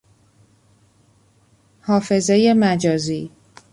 حافظهی مجازی